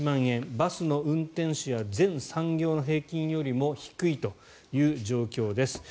バスの運転手や全産業の平均よりも低いという状況です。